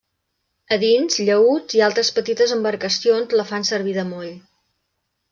A dins, llaüts i altres petites embarcacions la fan servir de moll.